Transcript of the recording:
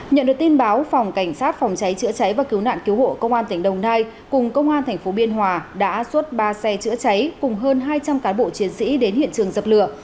nhận được tin báo phòng cảnh sát phòng cháy chữa cháy và cứu nạn cứu hộ công an tỉnh đồng nai cùng công an tp biên hòa đã xuất ba xe chữa cháy cùng hơn hai trăm linh cán bộ chiến sĩ đến hiện trường dập lửa